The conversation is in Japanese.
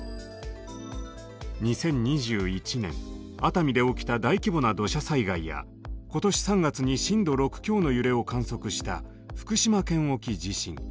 ２０２１年熱海で起きた大規模な土砂災害や今年３月に震度６強の揺れを観測した福島県沖地震。